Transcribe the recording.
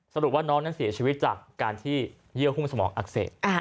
สรุปว่าน้องนั้นเสียชีวิตจากการที่เยื่อหุ้มสมองอักเสบ